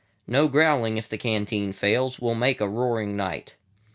No growling if the canteen fails:We 'll make a roaring night.